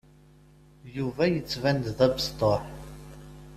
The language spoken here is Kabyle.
Yuba yettban-d d abesṭuḥ.